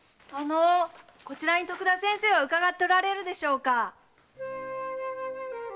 こちらに徳田先生は伺っておられるでしょうか？